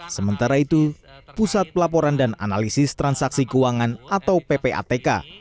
sementara itu pusat pelaporan dan analisis transaksi keuangan atau ppatk